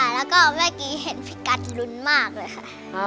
แล้วก็เมื่อกี้เห็นพี่กัดลุ้นมากเลยค่ะ